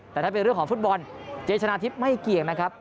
แต่ถ้าเป็นเรื่องของฟุตบอลเจชนะทิพย์ไม่เกี่ยงนะครับ